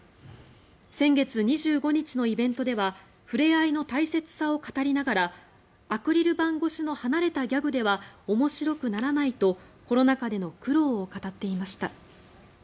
先月２５日のイベントでは触れ合いの大切さを語りながらアクリル板越しの離れたギャグでは面白くならないとコロナ禍での苦労を語っていました。